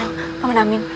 tunggu paman amin